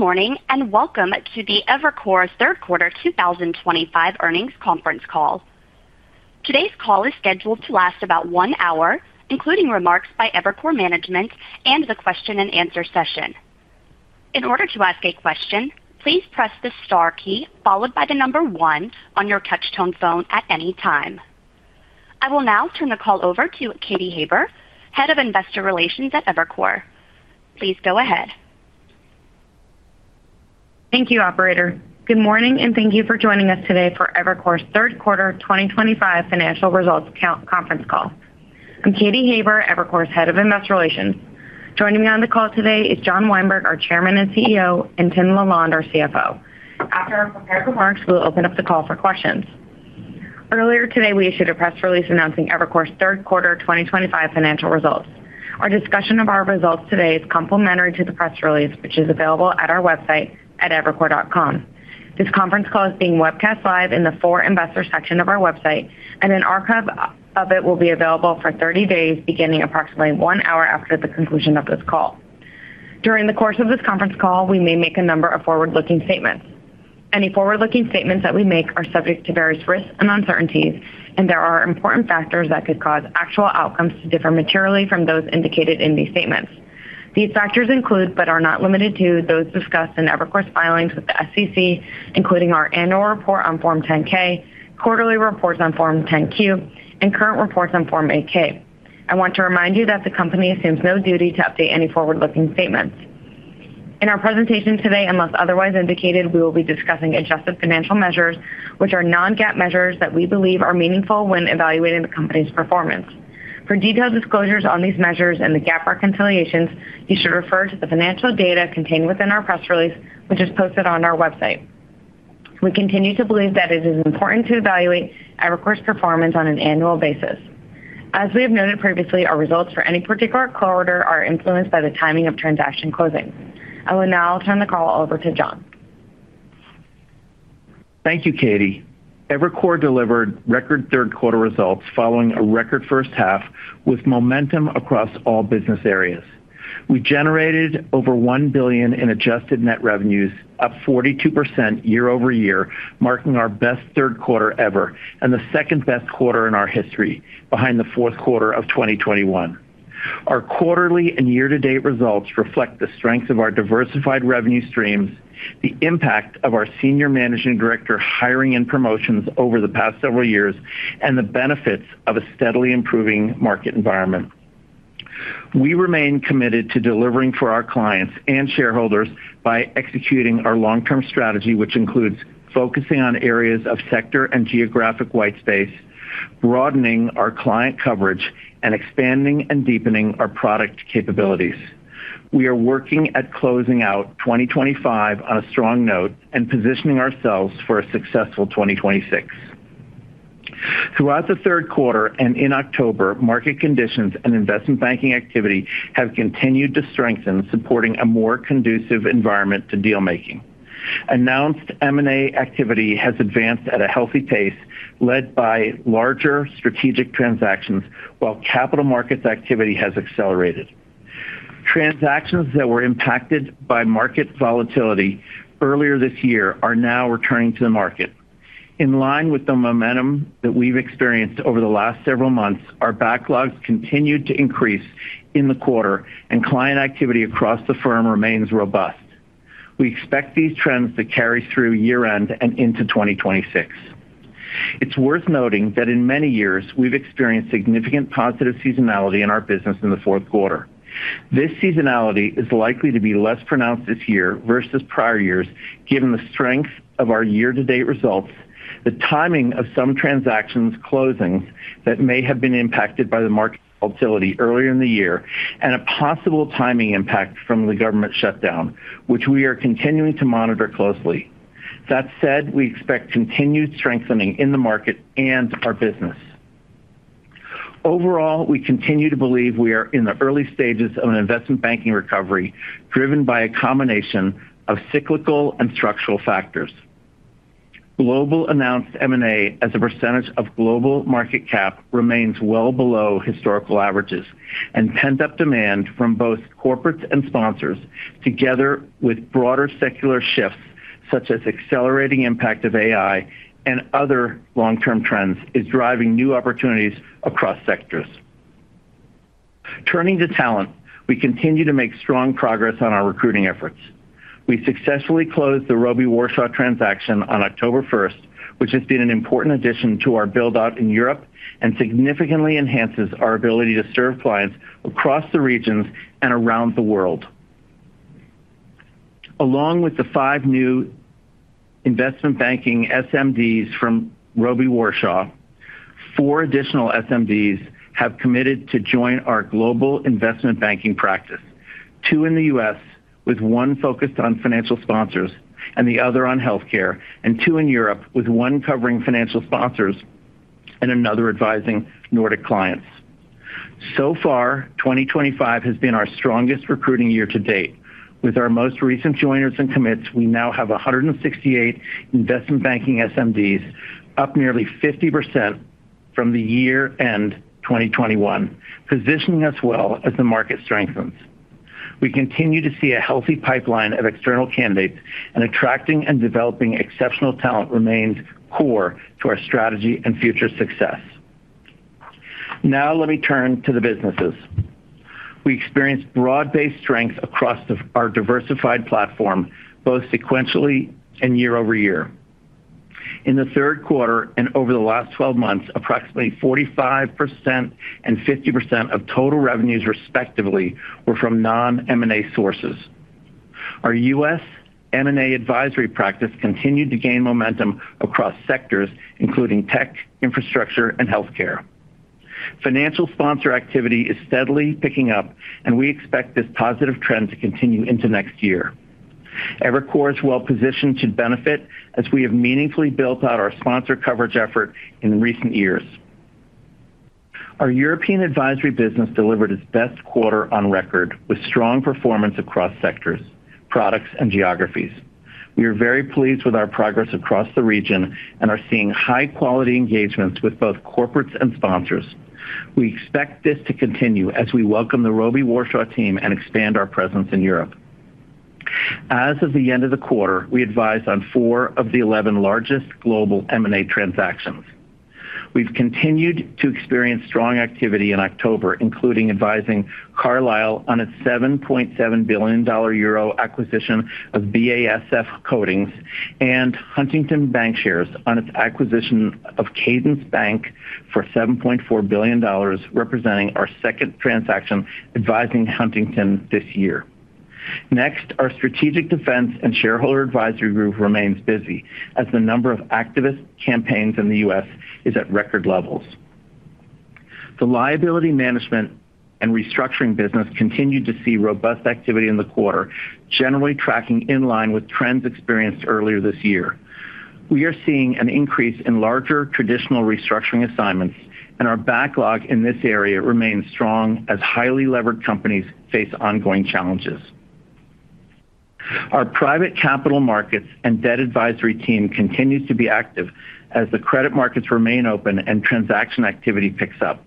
Good morning and welcome to the Evercore third quarter 2025 earnings conference call. Today's call is scheduled to last about one hour, including remarks by Evercore management and the question and answer session. In order to ask a question, please press the star key followed by the number one on your touch-tone phone at any time. I will now turn the call over to Katy Haber, Head of Investor Relations at Evercore. Please go ahead. Thank you, operator. Good morning and thank you for joining us today for Evercore's third quarter 2025 financial results conference call. I'm Katy Haber, Evercore's Head of Investor Relations. Joining me on the call today is John Weinberg, our Chairman and CEO, and Tim LaLonde, our CFO. After my prepared remarks, we'll open up the call for questions. Earlier today, we issued a press release announcing Evercore's third quarter 2025 financial results. Our discussion of our results today is complementary to the press release, which is available at our website at evercore.com. This conference call is being webcast live in the For Investors section of our website, and an archive of it will be available for 30 days, beginning approximately one hour after the conclusion of this call. During the course of this conference call, we may make a number of forward-looking statements. Any forward-looking statements that we make are subject to various risks and uncertainties, and there are important factors that could cause actual outcomes to differ materially from those indicated in these statements. These factors include, but are not limited to, those discussed in Evercore's filings with the SEC, including our annual report on Form 10-K, quarterly reports on Form 10-Q, and current reports on Form 8-K. I want to remind you that the company assumes no duty to update any forward-looking statements. In our presentation today, unless otherwise indicated, we will be discussing adjusted financial measures, which are non-GAAP measures that we believe are meaningful when evaluating the company's performance. For detailed disclosures on these measures and the GAAP reconciliations, you should refer to the financial data contained within our press release, which is posted on our website. We continue to believe that it is important to evaluate Evercore's performance on an annual basis. As we have noted previously, our results for any particular quarter are influenced by the timing of transaction closing. I will now turn the call over to John. Thank you, Katy. Evercore delivered record third quarter results following a record first half with momentum across all business areas. We generated over $1 billion in adjusted net revenues, up 42% year over year, marking our best third quarter ever and the second best quarter in our history, behind the fourth quarter of 2021. Our quarterly and year-to-date results reflect the strengths of our diversified revenue streams, the impact of our Senior Managing Director hiring and promotions over the past several years, and the benefits of a steadily improving market environment. We remain committed to delivering for our clients and shareholders by executing our long-term strategy, which includes focusing on areas of sector and geographic white space, broadening our client coverage, and expanding and deepening our product capabilities. We are working at closing out 2025 on a strong note and positioning ourselves for a successful 2026. Throughout the third quarter and in October, market conditions and investment banking activity have continued to strengthen, supporting a more conducive environment to deal making. Announced M&A activity has advanced at a healthy pace, led by larger strategic transactions, while capital markets activity has accelerated. Transactions that were impacted by market volatility earlier this year are now returning to the market. In line with the momentum that we've experienced over the last several months, our backlogs continued to increase in the quarter, and client activity across the firm remains robust. We expect these trends to carry through year-end and into 2026. It's worth noting that in many years, we've experienced significant positive seasonality in our business in the fourth quarter. This seasonality is likely to be less pronounced this year versus prior years, given the strength of our year-to-date results, the timing of some transactions closing that may have been impacted by the market volatility earlier in the year, and a possible timing impact from the government shutdown, which we are continuing to monitor closely. That said, we expect continued strengthening in the market and our business. Overall, we continue to believe we are in the early stages of an investment banking recovery driven by a combination of cyclical and structural factors. Global announced M&A as a percentage of global market cap remains well below historical averages, and pent-up demand from both corporates and sponsors, together with broader secular shifts such as accelerating impact of AI and other long-term trends, is driving new opportunities across sectors. Turning to talent, we continue to make strong progress on our recruiting efforts. We successfully closed the Robey Warshaw transaction on October 1st, which has been an important addition to our build-out in Europe and significantly enhances our ability to serve clients across the regions and around the world. Along with the five new investment banking SMDs from Robey Warshaw, four additional SMDs have committed to join our global investment banking practice. Two in the U.S., with one focused on financial sponsors and the other on healthcare, and two in Europe, with one covering financial sponsors and another advising Nordic clients. So far, 2025 has been our strongest recruiting year to date. With our most recent joiners and commits, we now have 168 investment banking SMDs, up nearly 50% from the year-end 2021, positioning us well as the market strengthens. We continue to see a healthy pipeline of external candidates, and attracting and developing exceptional talent remains core to our strategy and future success. Now, let me turn to the businesses. We experienced broad-based strengths across our diversified platform, both sequentially and year over year. In the third quarter and over the last 12 months, approximately 45% and 50% of total revenues, respectively, were from non-M&A sources. Our U.S. M&A advisory practice continued to gain momentum across sectors, including tech, infrastructure, and healthcare. Financial sponsor activity is steadily picking up, and we expect this positive trend to continue into next year. Evercore's well-positioned should benefit as we have meaningfully built out our sponsor coverage effort in recent years. Our European advisory business delivered its best quarter on record, with strong performance across sectors, products, and geographies. We are very pleased with our progress across the region and are seeing high-quality engagements with both corporates and sponsors. We expect this to continue as we welcome the Robey Warshaw team and expand our presence in Europe. As of the end of the quarter, we advised on four of the 11 largest global M&A transactions. We've continued to experience strong activity in October, including advising Carlyle on its $7.7 billion acquisition of BASF Coatings and Huntington Bancshares on its acquisition of Cadence Bank for $7.4 billion, representing our second transaction advising Huntington this year. Next, our strategic defense and shareholder advisory group remains busy as the number of activist campaigns in the U.S. is at record levels. The liability management and restructuring business continued to see robust activity in the quarter, generally tracking in line with trends experienced earlier this year. We are seeing an increase in larger traditional restructuring assignments, and our backlog in this area remains strong as highly levered companies face ongoing challenges. Our private capital markets and debt advisory team continues to be active as the credit markets remain open and transaction activity picks up.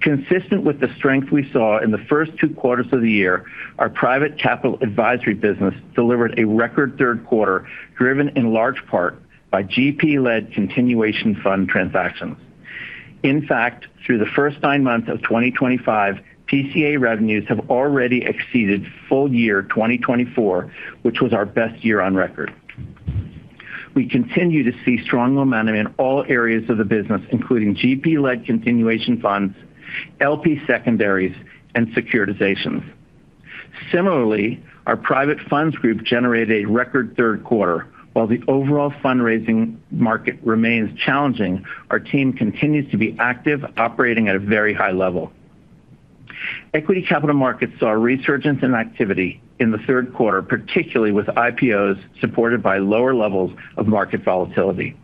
Consistent with the strength we saw in the first two quarters of the year, our private capital advisory business delivered a record third quarter, driven in large part by GP-led continuation fund transactions. In fact, through the first nine months of 2025, PCA revenues have already exceeded full year 2024, which was our best year on record. We continue to see strong momentum in all areas of the business, including GP-led continuation funds, LP secondaries, and securitizations. Similarly, our private funds group generated a record third quarter. While the overall fundraising market remains challenging, our team continues to be active, operating at a very high level. Equity capital markets saw a resurgence in activity in the third quarter, particularly with IPOs supported by lower levels of market volatility.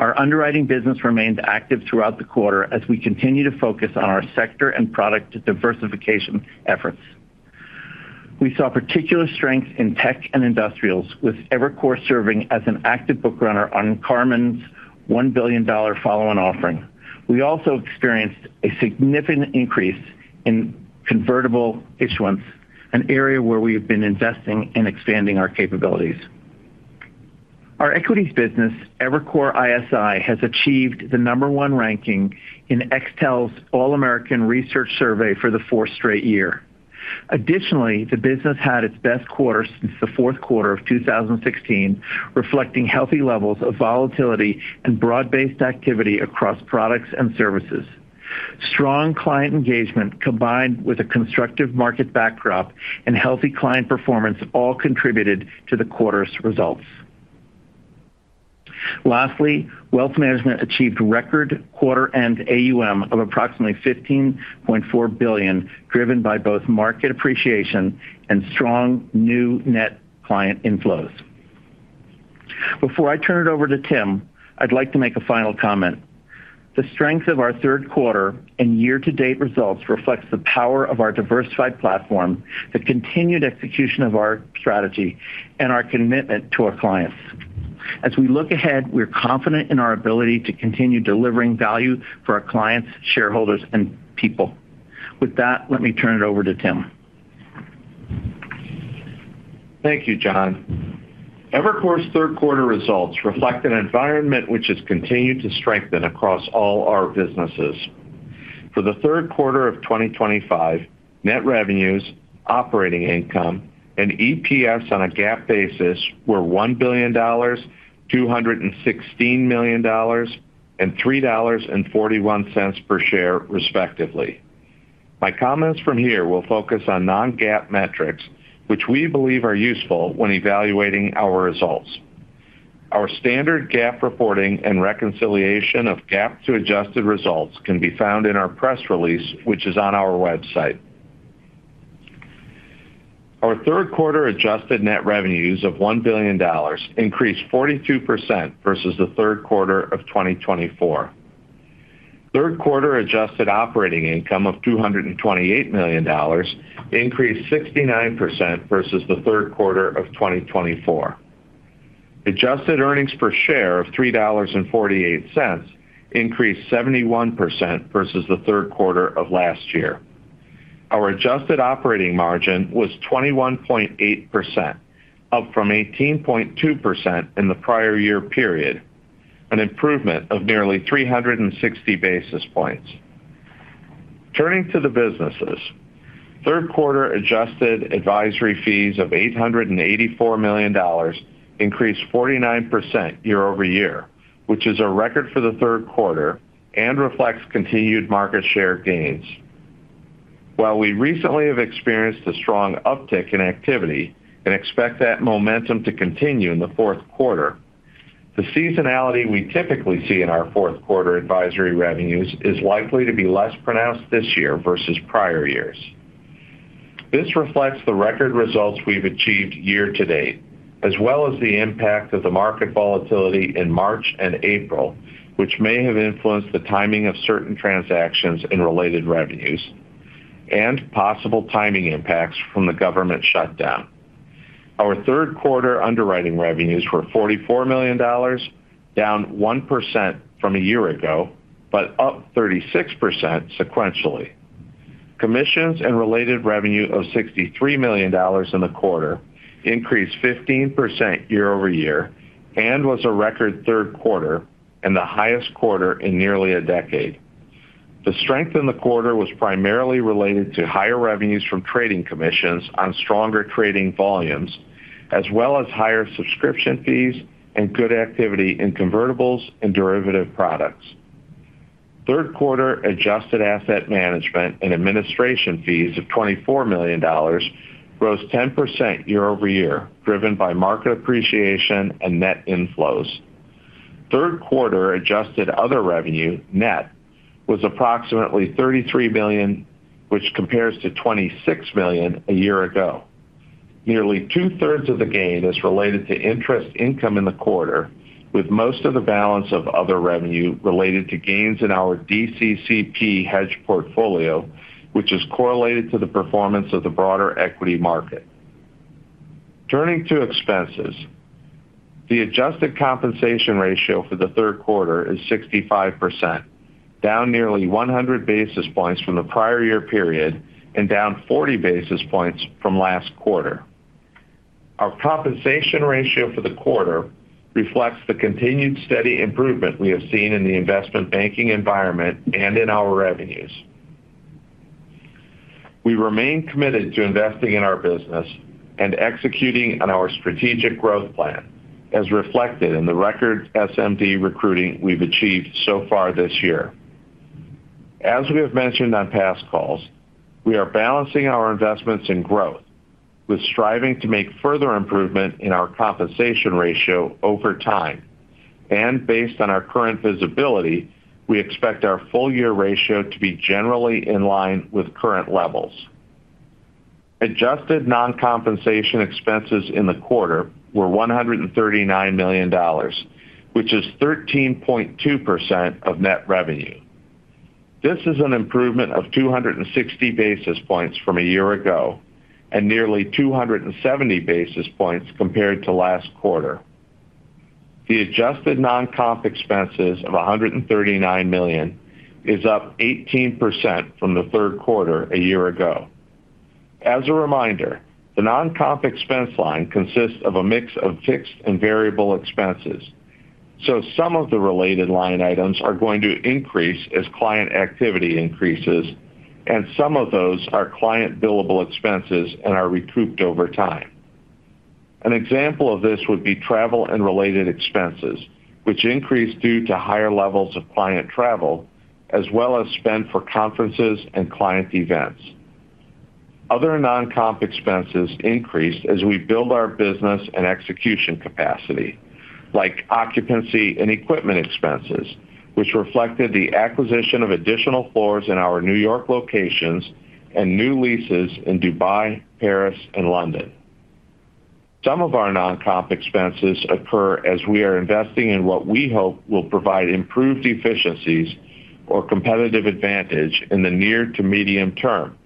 Our underwriting business remains active throughout the quarter as we continue to focus on our sector and product diversification efforts. We saw particular strength in tech and industrials, with Evercore serving as an active book runner on Carmen's $1 billion follow-on offering. We also experienced a significant increase in convertible issuance, an area where we have been investing in expanding our capabilities. Our equities business, Evercore ISI, has achieved the number one ranking in XTEL's All-American Research Survey for the fourth straight year. Additionally, the business had its best quarter since the fourth quarter of 2016, reflecting healthy levels of volatility and broad-based activity across products and services. Strong client engagement, combined with a constructive market backdrop and healthy client performance, all contributed to the quarter's results. Lastly, wealth management achieved record quarter-end AUM of approximately $15.4 billion, driven by both market appreciation and strong new net client inflows. Before I turn it over to Tim, I'd like to make a final comment. The strength of our third quarter and year-to-date results reflect the power of our diversified platform, the continued execution of our strategy, and our commitment to our clients. As we look ahead, we're confident in our ability to continue delivering value for our clients, shareholders, and people. With that, let me turn it over to Tim. Thank you, John. Evercore's third quarter results reflect an environment which has continued to strengthen across all our businesses. For the third quarter of 2025, net revenues, operating income, and EPS on a GAAP basis were $1 billion, $216 million, and $3.41 per share, respectively. My comments from here will focus on non-GAAP metrics, which we believe are useful when evaluating our results. Our standard GAAP reporting and reconciliation of GAAP to adjusted results can be found in our press release, which is on our website. Our third quarter adjusted net revenues of $1 billion increased 42% versus the third quarter of 2024. Third quarter adjusted operating income of $228 million increased 69% versus the third quarter of 2024. Adjusted earnings per share of $3.48 increased 71% versus the third quarter of last year. Our adjusted operating margin was 21.8%, up from 18.2% in the prior year period, an improvement of nearly 360 basis points. Turning to the businesses, third quarter adjusted advisory fees of $884 million increased 49% year over year, which is a record for the third quarter and reflects continued market share gains. While we recently have experienced a strong uptick in activity and expect that momentum to continue in the fourth quarter, the seasonality we typically see in our fourth quarter advisory revenues is likely to be less pronounced this year versus prior years. This reflects the record results we've achieved year to date, as well as the impact of the market volatility in March and April, which may have influenced the timing of certain transactions and related revenues, and possible timing impacts from the government shutdown. Our third quarter underwriting revenues were $44 million, down 1% from a year ago, but up 36% sequentially. Commissions and related revenue of $63 million in the quarter increased 15% year over year and was a record third quarter and the highest quarter in nearly a decade. The strength in the quarter was primarily related to higher revenues from trading commissions on stronger trading volumes, as well as higher subscription fees and good activity in convertibles and derivative products. Third quarter adjusted asset management and administration fees of $24 million rose 10% year over year, driven by market appreciation and net inflows. Third quarter adjusted other revenue net was approximately $33 million, which compares to $26 million a year ago. Nearly two-thirds of the gain is related to interest income in the quarter, with most of the balance of other revenue related to gains in our DCCP hedge portfolio, which is correlated to the performance of the broader equity market. Turning to expenses, the adjusted compensation ratio for the third quarter is 65%, down nearly 100 basis points from the prior year period and down 40 basis points from last quarter. Our compensation ratio for the quarter reflects the continued steady improvement we have seen in the investment banking environment and in our revenues. We remain committed to investing in our business and executing on our strategic growth plan, as reflected in the record SMD recruiting we've achieved so far this year. As we have mentioned on past calls, we are balancing our investments in growth with striving to make further improvement in our compensation ratio over time. Based on our current visibility, we expect our full-year ratio to be generally in line with current levels. Adjusted non-compensation expenses in the quarter were $139 million, which is 13.2% of net revenue. This is an improvement of 260 basis points from a year ago and nearly 270 basis points compared to last quarter. The adjusted non-comp expenses of $139 million is up 18% from the third quarter a year ago. As a reminder, the non-comp expense line consists of a mix of fixed and variable expenses. Some of the related line items are going to increase as client activity increases, and some of those are client billable expenses and are recouped over time. An example of this would be travel and related expenses, which increase due to higher levels of client travel, as well as spend for conferences and client events. Other non-comp expenses increased as we build our business and execution capacity, like occupancy and equipment expenses, which reflected the acquisition of additional floors in our New York locations and new leases in Dubai, Paris, and London. Some of our non-comp expenses occur as we are investing in what we hope will provide improved efficiencies or competitive advantage in the near to medium term,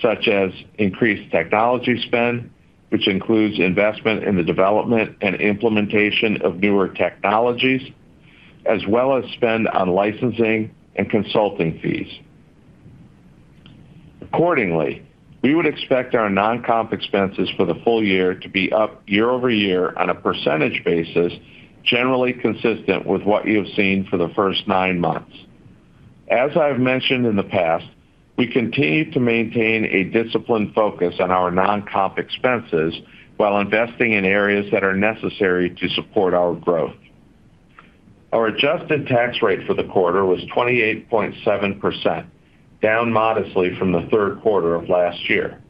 such as increased technology spend, which includes investment in the development and implementation of newer technologies, as well as spend on licensing and consulting fees. Accordingly, we would expect our non-comp expenses for the full year to be up year over year on a percentage basis, generally consistent with what you have seen for the first nine months. As I've mentioned in the past, we continue to maintain a disciplined focus on our non-compensation expenses while investing in areas that are necessary to support our growth. Our adjusted tax rate for the quarter was 28.7%, down modestly from the third quarter of last year.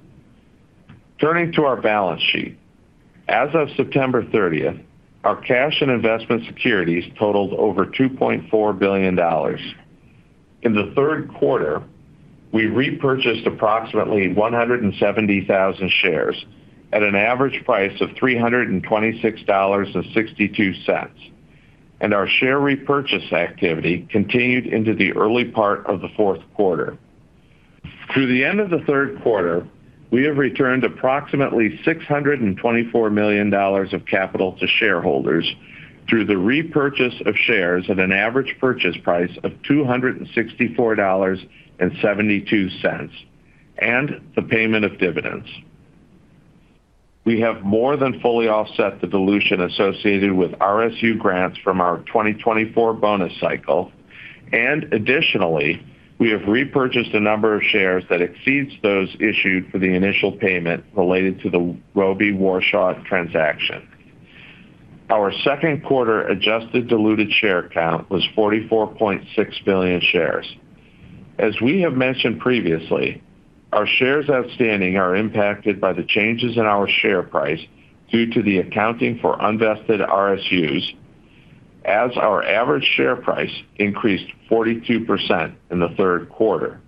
Turning to our balance sheet, as of September 30, our cash and investment securities totaled over $2.4 billion. In the third quarter, we repurchased approximately 170,000 shares at an average price of $326.62, and our share repurchase activity continued into the early part of the fourth quarter. Through the end of the third quarter, we have returned approximately $624 million of capital to shareholders through the repurchase of shares at an average purchase price of $264.72 and the payment of dividends. We have more than fully offset the dilution associated with RSU grants from our 2024 bonus cycle, and additionally, we have repurchased a number of shares that exceeds those issued for the initial payment related to the Robey Warshaw transaction. Our second quarter adjusted diluted share count was 44.6 million shares. As we have mentioned previously, our shares outstanding are impacted by the changes in our share price due to the accounting for unvested RSUs, as our average share price increased 42% in the third quarter.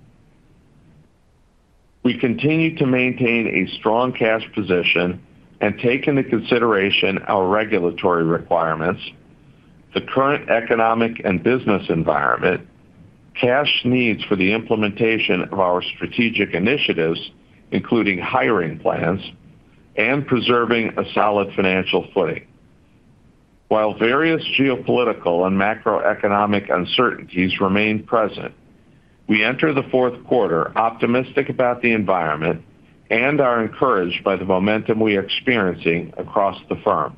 We continue to maintain a strong cash position and take into consideration our regulatory requirements, the current economic and business environment, cash needs for the implementation of our strategic initiatives, including hiring plans, and preserving a solid financial footing. While various geopolitical and macroeconomic uncertainties remain present, we enter the fourth quarter optimistic about the environment and are encouraged by the momentum we are experiencing across the firm.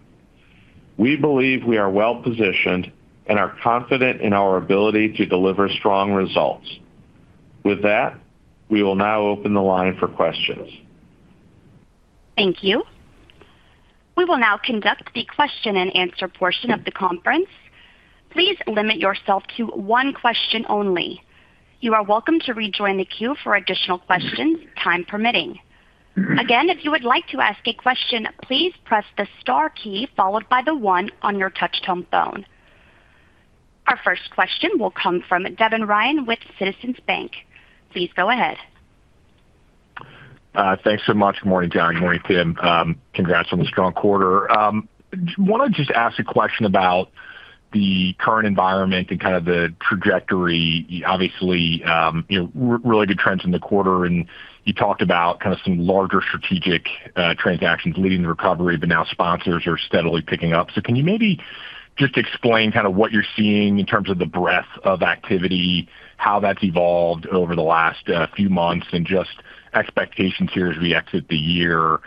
We believe we are well-positioned and are confident in our ability to deliver strong results. With that, we will now open the line for questions. Thank you. We will now conduct the question and answer portion of the conference. Please limit yourself to one question only. You are welcome to rejoin the queue for additional questions, time permitting. Again, if you would like to ask a question, please press the star key followed by the one on your touch-tone phone. Our first question will come from Devin Ryan with Citizens Bank. Please go ahead. Thanks so much. Good morning, John. Good morning, Tim. Congrats on the strong quarter. I want to just ask a question about the current environment and kind of the trajectory. Obviously, you know, really good trends in the quarter, and you talked about kind of some larger strategic transactions leading to recovery, but now sponsors are steadily picking up. Can you maybe just explain what you're seeing in terms of the breadth of activity, how that's evolved over the last few months, and expectations here as we exit the year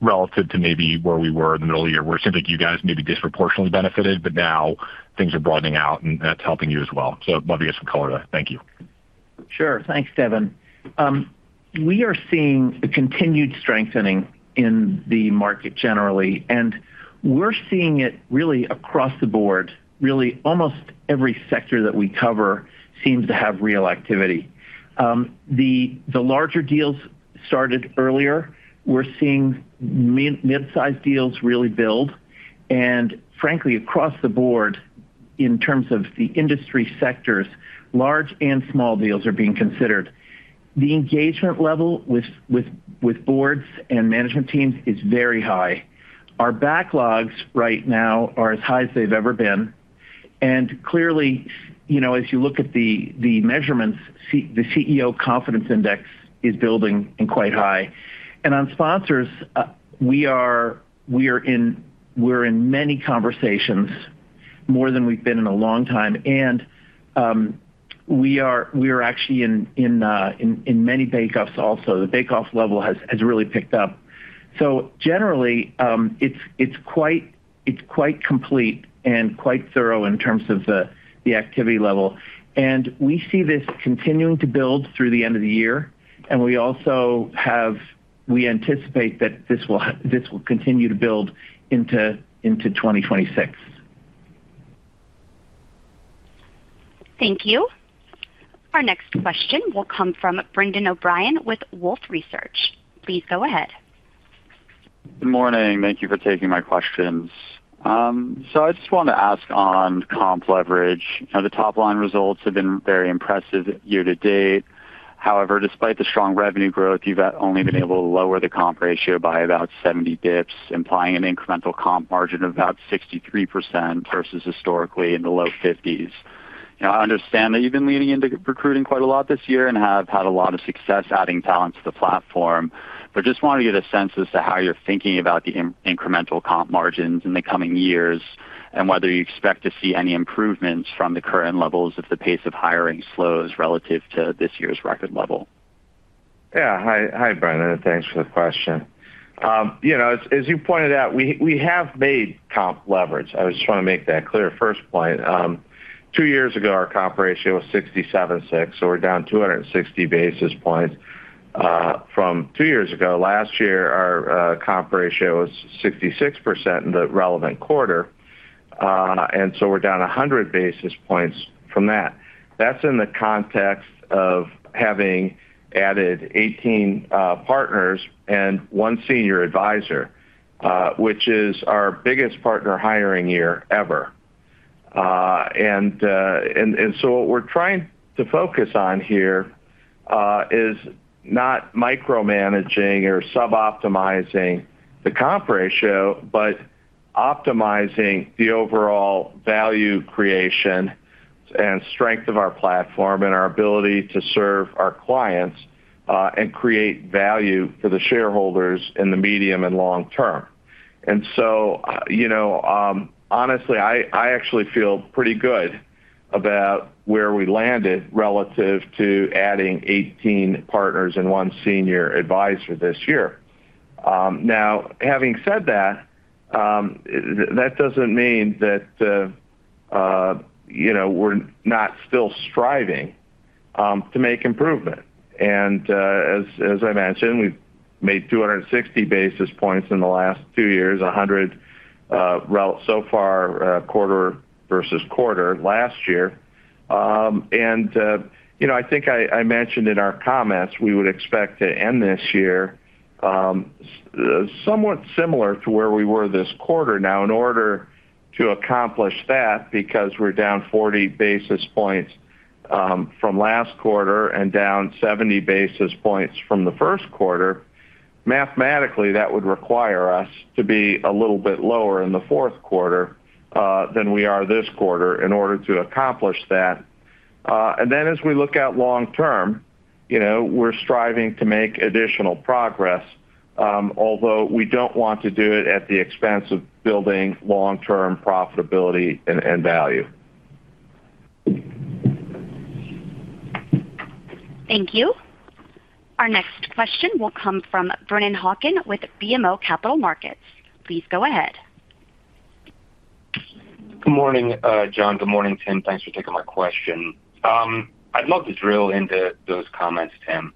relative to maybe where we were in the middle of the year, where it seems like you guys maybe disproportionately benefited, but now things are broadening out and that's helping you as well. I'd love to get some color to that. Thank you. Sure. Thanks, Devin. We are seeing a continued strengthening in the market generally, and we're seeing it really across the board. Really, almost every sector that we cover seems to have real activity. The larger deals started earlier. We're seeing mid-sized deals really build, and frankly, across the board, in terms of the industry sectors, large and small deals are being considered. The engagement level with boards and management teams is very high. Our backlogs right now are as high as they've ever been. Clearly, as you look at the measurements, the CEO confidence index is building and quite high. On sponsors, we are in many conversations, more than we've been in a long time, and we are actually in many bake-offs also. The bake-off level has really picked up. Generally, it's quite complete and quite thorough in terms of the activity level. We see this continuing to build through the end of the year, and we also anticipate that this will continue to build into 2026. Thank you. Our next question will come from Brendan James O'Brien with Wolfe Research. Please go ahead. Good morning. Thank you for taking my questions. I just wanted to ask on comp leverage. The top line results have been very impressive year to date. However, despite the strong revenue growth, you've only been able to lower the comp ratio by about 70 bps, implying an incremental comp margin of about 63% versus historically in the low 50s. I understand that you've been leaning into recruiting quite a lot this year and have had a lot of success adding talent to the platform, but I just wanted to get a sense as to how you're thinking about the incremental comp margins in the coming years and whether you expect to see any improvements from the current levels if the pace of hiring slows relative to this year's record level. Yeah. Hi, Brendan. Thanks for the question. As you pointed out, we have made comp leverage. I just want to make that clear. First point, two years ago, our comp ratio was 67.6%, so we're down 260 basis points from two years ago. Last year, our comp ratio was 66% in the relevant quarter, and we're down 100 basis points from that. That's in the context of having added 18 partners and one Senior Advisor, which is our biggest partner hiring year ever. What we're trying to focus on here is not micromanaging or sub-optimizing the comp ratio, but optimizing the overall value creation and strength of our platform and our ability to serve our clients and create value for the shareholders in the medium and long term. Honestly, I actually feel pretty good about where we landed relative to adding 18 partners and one Senior Advisor this year. Now, having said that, that doesn't mean that we're not still striving to make improvement. As I mentioned, we've made 260 basis points in the last two years, 100 so far quarter versus quarter last year. I think I mentioned in our comments we would expect to end this year somewhat similar to where we were this quarter. In order to accomplish that, because we're down 40 basis points from last quarter and down 70 basis points from the first quarter, mathematically, that would require us to be a little bit lower in the fourth quarter than we are this quarter in order to accomplish that. As we look at long term, we're striving to make additional progress, although we don't want to do it at the expense of building long-term profitability and value. Thank you. Our next question will come from Brennan Hawkin with BMO Capital Markets. Please go ahead. Good morning, John. Good morning, Tim. Thanks for taking my question. I'd love to drill into those comments, Tim,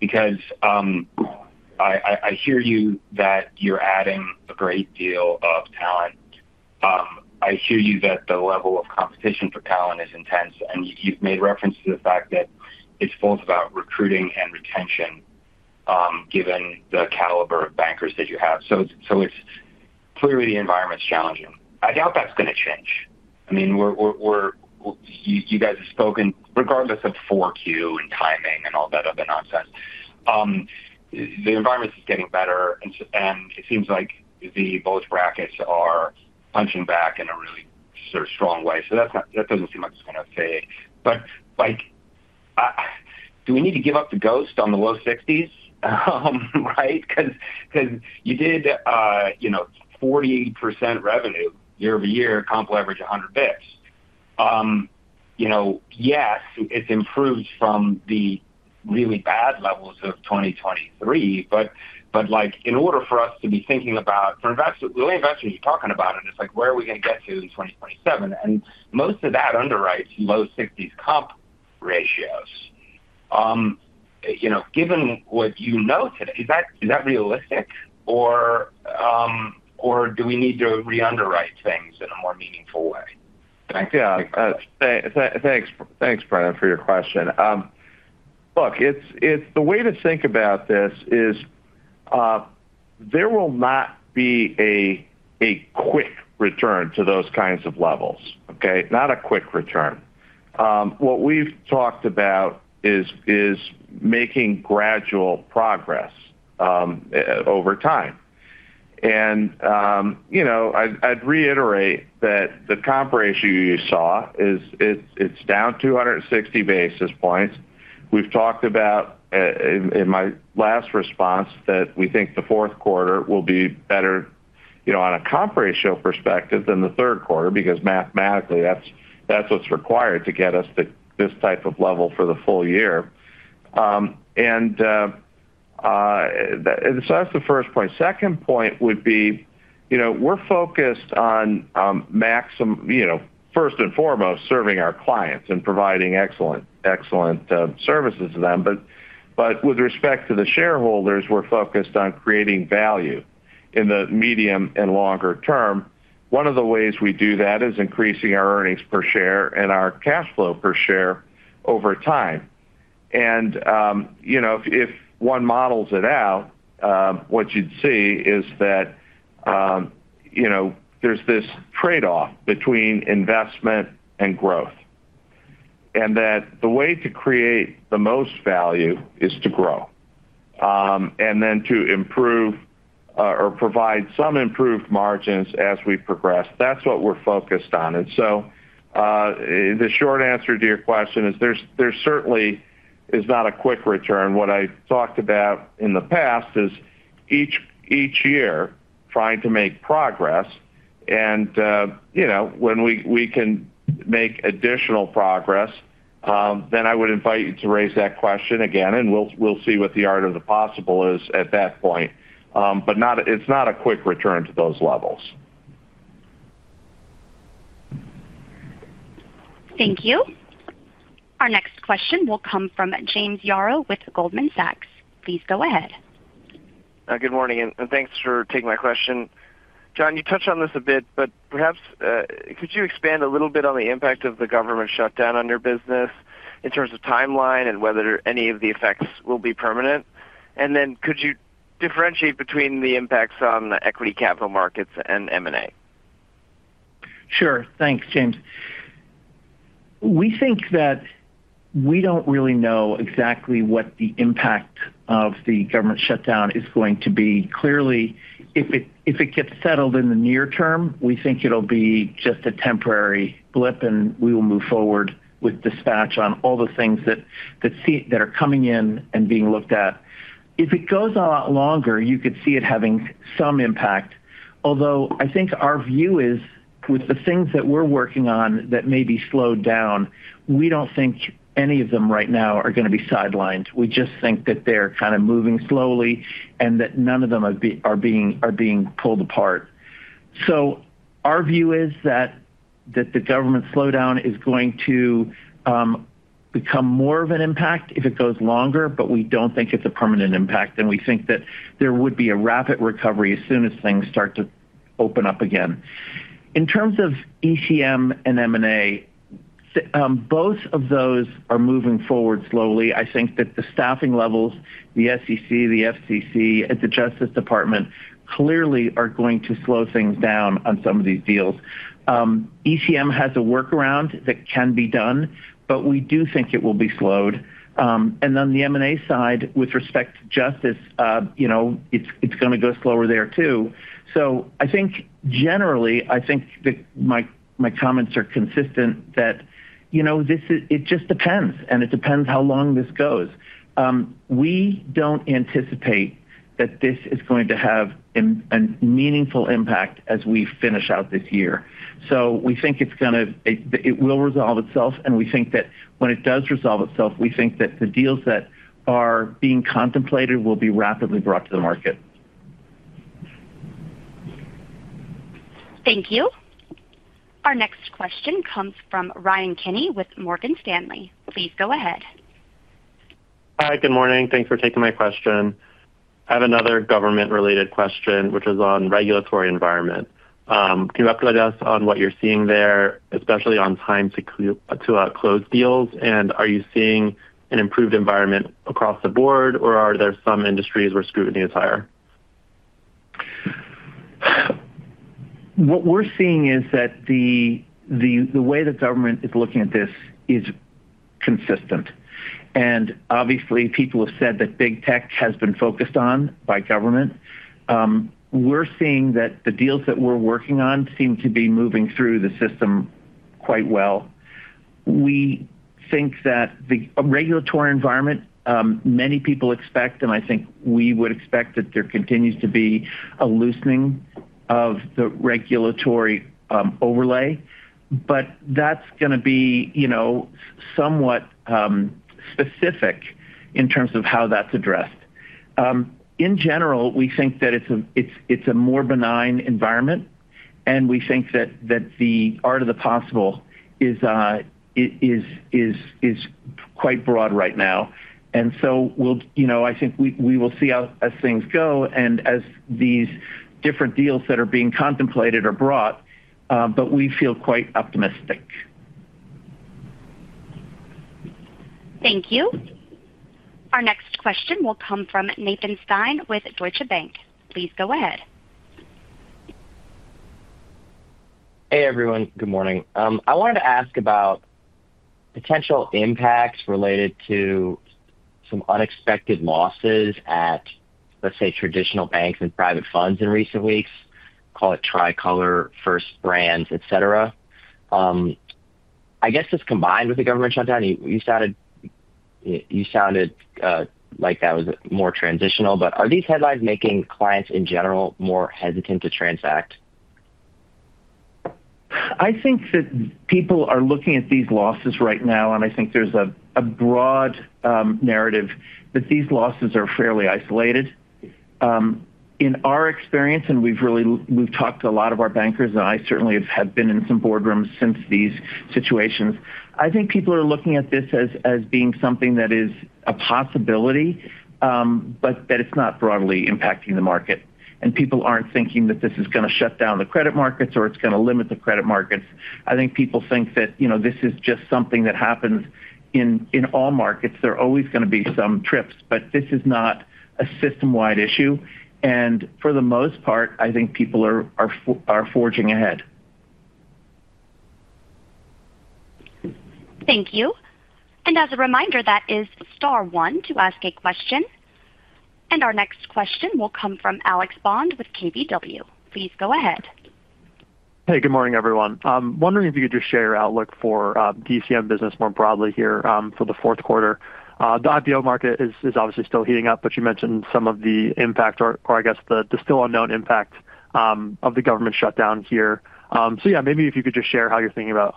because I hear you that you're adding a great deal of talent. I hear you that the level of competition for talent is intense, and you've made reference to the fact that it's both about recruiting and retention, given the caliber of bankers that you have. It's clearly the environment's challenging. I doubt that's going to change. You guys have spoken, regardless of 4Q and timing and all that other nonsense. The environment is getting better, and it seems like the bulge brackets are punching back in a really sort of strong way. That doesn't seem like it's going to fade. Do we need to give up the ghost on the low 60s? Right? You did, you know, 48% revenue year over year, comp leverage 100 bps. Yes, it's improved from the really bad levels of 2023, but in order for us to be thinking about, for the investors you're talking about, and it's like, where are we going to get to in 2027? Most of that underwrites low 60s comp ratios. Given what you know today, is that realistic or do we need to re-underwrite things in a more meaningful way? Thanks, Brennan, for your question. Look, the way to think about this is there will not be a quick return to those kinds of levels, okay? Not a quick return. What we've talked about is making gradual progress over time. I'd reiterate that the comp ratio you saw is it's down 260 basis points. We've talked about in my last response that we think the fourth quarter will be better, you know, on a comp ratio perspective than the third quarter because mathematically, that's what's required to get us to this type of level for the full year. That's the first point. The second point would be, you know, we're focused on, you know, first and foremost, serving our clients and providing excellent services to them. With respect to the shareholders, we're focused on creating value in the medium and longer term. One of the ways we do that is increasing our earnings per share and our cash flow per share over time. If one models it out, what you'd see is that, you know, there's this trade-off between investment and growth. The way to create the most value is to grow and then to improve or provide some improved margins as we progress. That's what we're focused on. The short answer to your question is there certainly is not a quick return. What I talked about in the past is each year trying to make progress. When we can make additional progress, then I would invite you to raise that question again, and we'll see what the art of the possible is at that point. It's not a quick return to those levels. Thank you. Our next question will come from James Edwin Yaro with Goldman Sachs. Please go ahead. Good morning, and thanks for taking my question. John, you touched on this a bit, but perhaps could you expand a little bit on the impact of the government shutdown on your business in terms of timeline and whether any of the effects will be permanent? Could you differentiate between the impacts on equity capital markets and M&A? Sure. Thanks, James. We think that we don't really know exactly what the impact of the government shutdown is going to be. Clearly, if it gets settled in the near term, we think it'll be just a temporary blip, and we will move forward with dispatch on all the things that are coming in and being looked at. If it goes a lot longer, you could see it having some impact. Although I think our view is with the things that we're working on that may be slowed down, we don't think any of them right now are going to be sidelined. We just think that they're kind of moving slowly and that none of them are being pulled apart. Our view is that the government slowdown is going to become more of an impact if it goes longer, but we don't think it's a permanent impact. We think that there would be a rapid recovery as soon as things start to open up again. In terms of equity capital markets and M&A, both of those are moving forward slowly. I think that the staffing levels, the SEC, the FCC, and the Justice Department clearly are going to slow things down on some of these deals. Equity capital markets has a workaround that can be done, but we do think it will be slowed. On the M&A side, with respect to Justice, it's going to go slower there too. Generally, I think that my comments are consistent that it just depends, and it depends how long this goes. We don't anticipate that this is going to have a meaningful impact as we finish out this year. We think it will resolve itself, and we think that when it does resolve itself, the deals that are being contemplated will be rapidly brought to the market. Thank you. Our next question comes from Ryan Michael Kenny with Morgan Stanley. Please go ahead. Hi, good morning. Thanks for taking my question. I have another government-related question, which is on the regulatory environment. Can you update us on what you're seeing there, especially on time to close deals? Are you seeing an improved environment across the board, or are there some industries where scrutiny is higher? What we're seeing is that the way the government is looking at this is consistent. Obviously, people have said that big tech has been focused on by government. We're seeing that the deals that we're working on seem to be moving through the system quite well. We think that the regulatory environment, many people expect, and I think we would expect that there continues to be a loosening of the regulatory overlay, but that's going to be somewhat specific in terms of how that's addressed. In general, we think that it's a more benign environment, and we think that the art of the possible is quite broad right now. We will see how things go as these different deals that are being contemplated are brought, but we feel quite optimistic. Thank you. Our next question will come from Nathan Stein with Deutsche Bank. Please go ahead. Hey everyone, good morning. I wanted to ask about potential impacts related to some unexpected losses at, let's say, traditional banks and private funds in recent weeks, call it Tricolor, First Brands, etc. I guess this combined with the government shutdown, you sounded like that was more transitional, but are these headlines making clients in general more hesitant to transact? I think that people are looking at these losses right now, and I think there's a broad narrative that these losses are fairly isolated. In our experience, we've talked to a lot of our bankers, and I certainly have been in some boardrooms since these situations. I think people are looking at this as being something that is a possibility, but that it's not broadly impacting the market. People aren't thinking that this is going to shut down the credit markets or it's going to limit the credit markets. I think people think that this is just something that happens in all markets. There are always going to be some trips, but this is not a system-wide issue. For the most part, I think people are forging ahead. Thank you. As a reminder, that is star one to ask a question. Our next question will come from Alexander Scott Bond with KBW. Please go ahead. Hey, good morning everyone. I'm wondering if you could just share your outlook for DCM business more broadly here for the fourth quarter. The IPO market is obviously still heating up, but you mentioned some of the impact, or I guess the still unknown impact of the government shutdown here. Maybe if you could just share how you're thinking about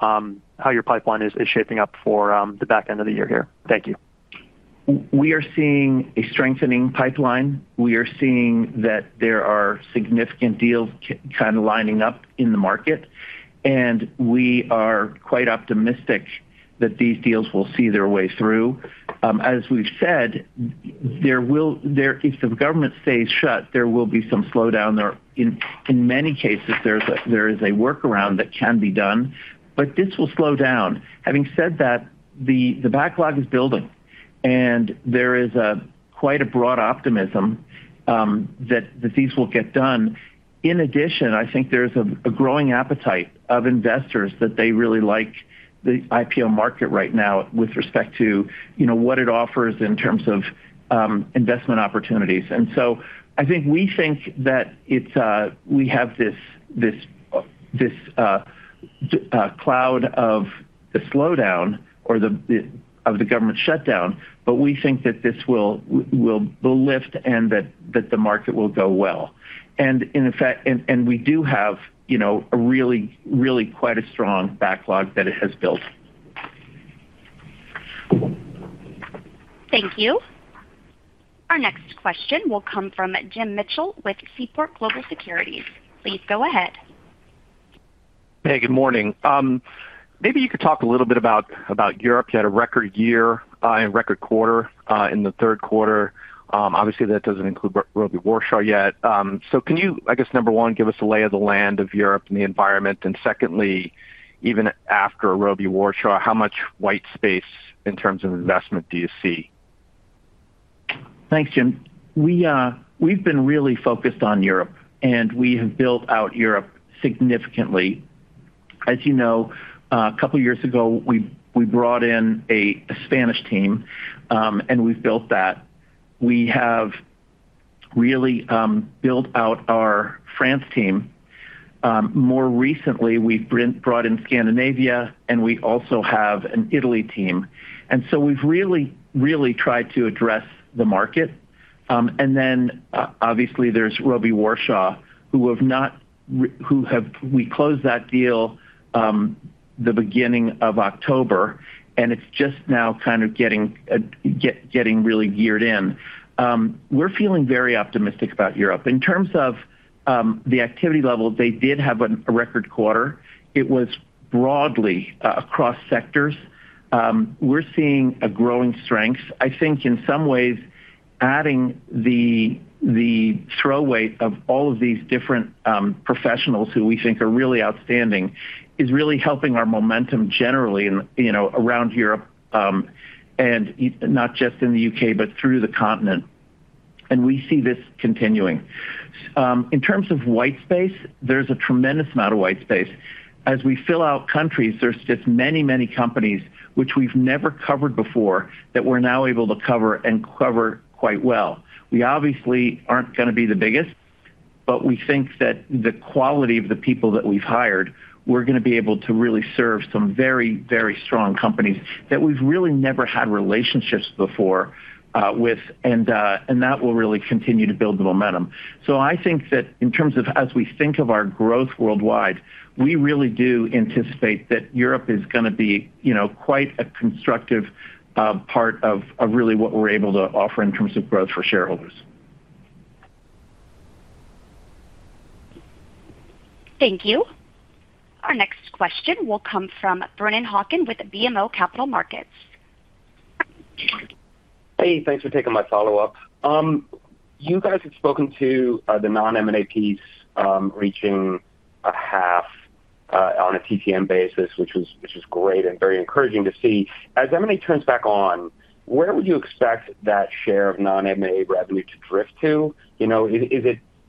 how your pipeline is shaping up for the back end of the year here. Thank you. We are seeing a strengthening pipeline. We are seeing that there are significant deals kind of lining up in the market, and we are quite optimistic that these deals will see their way through. As we've said, if the government stays shut, there will be some slowdown. In many cases, there is a workaround that can be done, but this will slow down. Having said that, the backlog is building, and there is quite a broad optimism that these will get done. In addition, I think there's a growing appetite of investors that they really like the IPO market right now with respect to what it offers in terms of investment opportunities. I think we think that we have this cloud of the slowdown or the government shutdown, but we think that this will lift and that the market will go well. In fact, we do have a really, really quite a strong backlog that it has built. Thank you. Our next question will come from Jim Mitchell with Seaport Global Securities LLC. Please go ahead. Hey, good morning. Maybe you could talk a little bit about Europe. You had a record year and record quarter in the third quarter. Obviously, that doesn't include Robey Warshaw yet. Can you, I guess, number one, give us a lay of the land of Europe and the environment? Secondly, even after Robey Warshaw, how much white space in terms of investment do you see? Thanks, Jim. We've been really focused on Europe, and we have built out Europe significantly. As you know, a couple of years ago, we brought in a Spanish team, and we've built that. We have really built out our France team. More recently, we've brought in Scandinavia, and we also have an Italy team. We've really, really tried to address the market. Obviously, there's Robey Warshaw, who we closed that deal at the beginning of October, and it's just now kind of getting really geared in. We're feeling very optimistic about Europe. In terms of the activity level, they did have a record quarter. It was broadly across sectors. We're seeing a growing strength. I think in some ways, adding the throw weight of all of these different professionals who we think are really outstanding is really helping our momentum generally around Europe, and not just in the UK, but through the continent. We see this continuing. In terms of white space, there's a tremendous amount of white space. As we fill out countries, there's just many, many companies which we've never covered before that we're now able to cover and cover quite well. We obviously aren't going to be the biggest, but we think that the quality of the people that we've hired, we're going to be able to really serve some very, very strong companies that we've really never had relationships before with, and that will really continue to build the momentum. I think that in terms of as we think of our growth worldwide, we really do anticipate that Europe is going to be quite a constructive part of really what we're able to offer in terms of growth for shareholders. Thank you. Our next question will come from Brennan Hawkin with BMO Capital Markets. Hey, thanks for taking my follow-up. You guys have spoken to the non-M&A piece reaching a half on a TPM basis, which is great and very encouraging to see. As M&A turns back on, where would you expect that share of non-M&A revenue to drift to?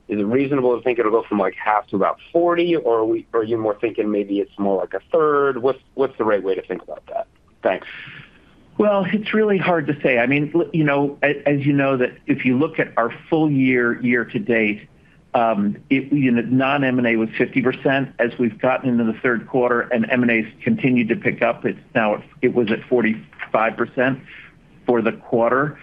Is it reasonable to think it'll go from like half to about 40%, or are you more thinking maybe it's more like a third? What's the right way to think about that? Thanks. It's really hard to say. I mean, as you know, if you look at our full year to date, non-M&A was 50%. As we've gotten into the third quarter and M&A has continued to pick up, it was at 45% for the quarter.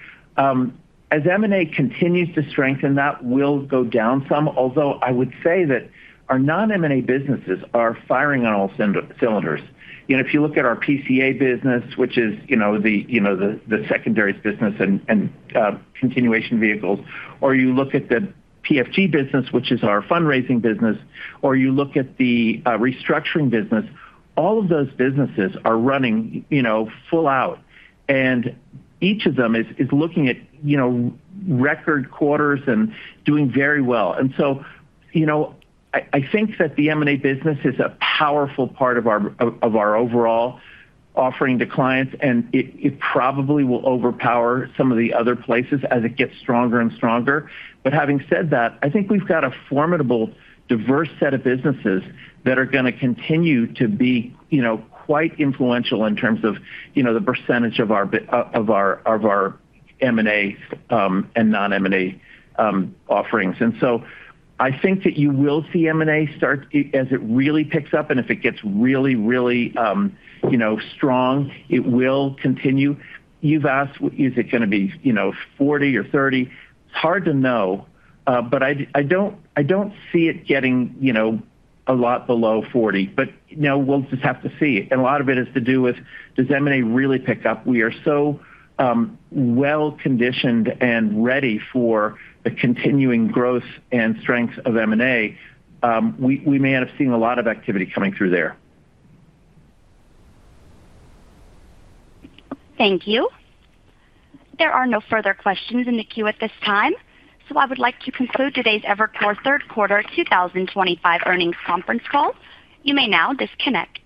As M&A continues to strengthen, that will go down some, although I would say that our non-M&A businesses are firing on all cylinders. If you look at our private capital advisory business, which is the secondaries business and continuation vehicles, or you look at the fundraising business, or you look at the restructuring business, all of those businesses are running full out. Each of them is looking at record quarters and doing very well. I think that the M&A business is a powerful part of our overall offering to clients, and it probably will overpower some of the other places as it gets stronger and stronger. Having said that, I think we've got a formidable, diverse set of businesses that are going to continue to be quite influential in terms of the percentage of our M&A and non-M&A offerings. I think that you will see M&A start as it really picks up, and if it gets really, really strong, it will continue. You've asked, is it going to be 40 or 30? It's hard to know, but I don't see it getting a lot below 40. We'll just have to see. A lot of it has to do with, does M&A really pick up? We are so well-conditioned and ready for the continuing growth and strength of M&A. We may not have seen a lot of activity coming through there. Thank you. There are no further questions in the queue at this time. I would like to conclude today's Evercore third quarter 2025 earnings conference call. You may now disconnect.